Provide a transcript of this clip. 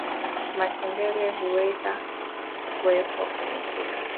matembele huweza kuwekwa kwenye supu